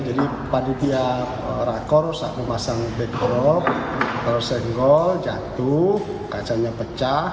jadi pada tiap rakor saat memasang backdrop tersenggol jatuh kacanya pecah